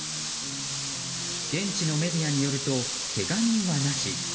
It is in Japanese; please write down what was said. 現地のメディアによるとけが人はなし。